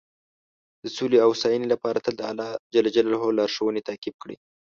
د سولې او هوساینې لپاره تل د الله لارښوونې تعقیب کړئ.